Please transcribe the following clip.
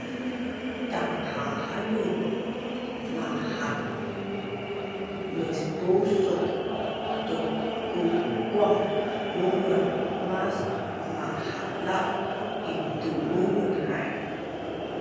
tanghahaiu, mahaam, misbusuk, tukukuang bunun, mas mahalav itubunun hai